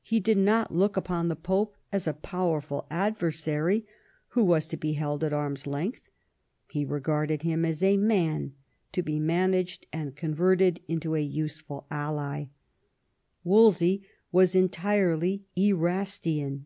He did not look upon the Pope as a powerful adversary who was to be held at arm's length ; he regarded him as a man to be managed and converted into a useful ally. Wolsey was entirely Erastian.